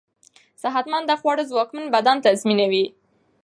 صحتمند خواړه ځواکمن بدن تضمينوي.